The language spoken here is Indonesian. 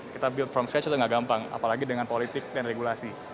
kita build from spearch itu nggak gampang apalagi dengan politik dan regulasi